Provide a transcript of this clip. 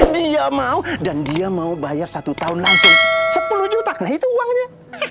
dia mau dan dia mau bayar satu tahun langsung sepuluh juta nah itu uangnya